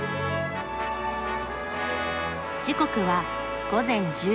時刻は午前１０時。